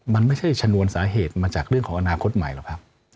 มันไม่ใช่ชนวนสาเหตุมาจากเรื่องของอนาคตใหม่หรอกครับ